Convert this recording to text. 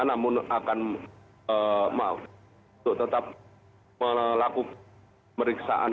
namun akan tetap melakukan meriksaan